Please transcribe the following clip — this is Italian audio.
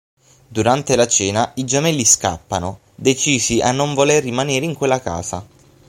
Durante la cena i gemelli scappano, decisi a non voler rimanere in quella casa.